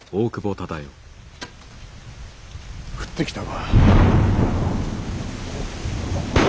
降ってきたか。